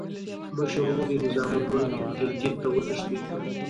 مشر ورور یې نظام الملک ګیلګیت ته وتښتېد.